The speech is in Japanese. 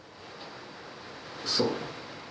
そう。